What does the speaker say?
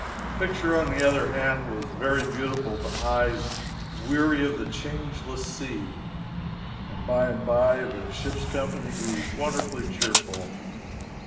The picture on the other hand was very beautiful to eyes weary of the changeless sea, and by and by the ship's company grew wonderfully cheerful.